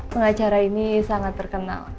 pengacara ini sangat terkenal